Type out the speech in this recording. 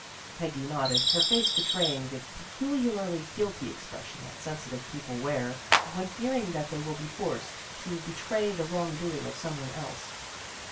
Peggy nodded, her face betraying the pe culiarly guilty expression that sensitive people wear when fearing that they will be forced to betray the wrongdoing of someone else.